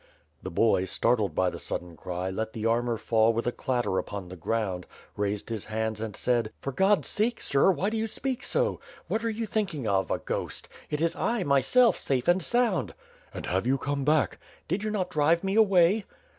'' The boy, startled by the sudden cry, let the armor fall with a clatter upon the ground, raised his hands and said: "For God's sake, sir, why do you speak so? What are you thinking of, a ghost? It is I, myself, safe and sound." "And have you come back?" "Did you not drive me away?"